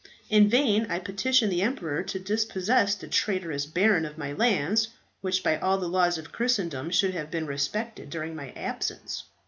In vain I petitioned the emperor to dispossess this traitorous baron of my lands, which by all the laws of Christendom should have been respected during my absence.